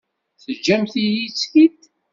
Teǧǧamt-iyi-tt-id?